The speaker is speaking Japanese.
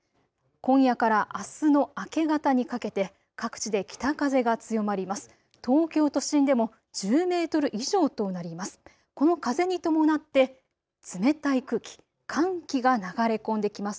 今夜からあすの明け方にかけて各地で北風が強まります。